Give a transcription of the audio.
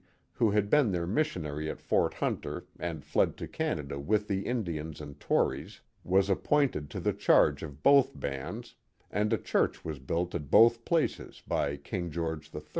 who had been their missionary at Fort Hunter and fled to Canada with the Indians and Tories, was appointed to the charge of both bands, and a church was built at both places by King George III.